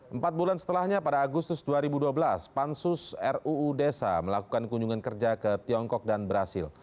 empat bulan setelahnya pada agustus dua ribu dua belas pansus ruu desa melakukan kunjungan kerja ke tiongkok dan brazil